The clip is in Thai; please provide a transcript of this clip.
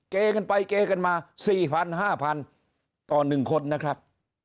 เกย์กันไปเกย์กันมาสี่พันห้าพันต่อหนึ่งคนนะครับ